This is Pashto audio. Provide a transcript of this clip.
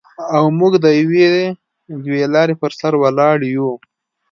او موږ د یوې دوې لارې پر سر ولاړ یو.